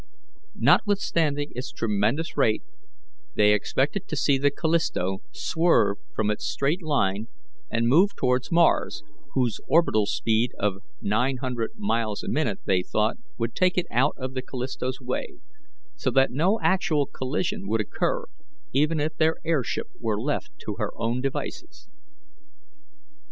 Notwithstanding its tremendous rate, they expected to see the Callisto swerve from its straight line and move towards Mars, whose orbital speed of nine hundred miles a minute they thought would take it out of the Callisto's way, so that no actual collision would occur even if their air ship were left to her own devices.